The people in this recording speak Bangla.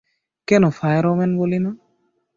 কেনো ফায়ারওমেন বলি না?